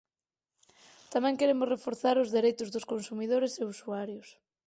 Tamén queremos reforzar os dereitos dos consumidores e usuarios.